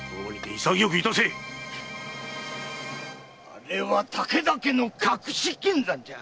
あれは武田家の隠し金山じゃ。